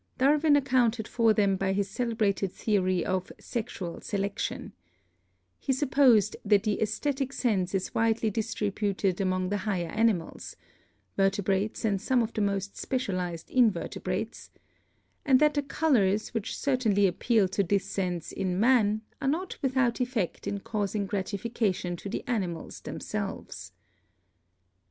Darwin accounted for them by his celebrated theory of 'Sexual Selection/ He supposed that the esthetic sense is widely distributed among the higher animals (vertebrates and some of the most specialized inverte brates), and that the colors, which certainly appeal to this sense in man, are not without effect in causing grati fication to the animals themselves.